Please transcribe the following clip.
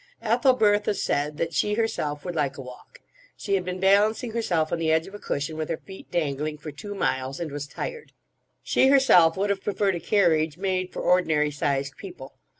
Ethelbertha said that she herself would like a walk. She had been balancing herself on the edge of a cushion with her feet dangling for two miles, and was tired. She herself would have preferred a carriage made for ordinary sized people.